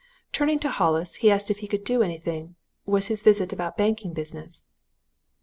Turning to Hollis, he asked if he could do anything was his visit about banking business?